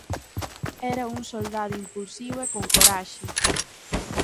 Era unha soldado impulsivo e con coraxe.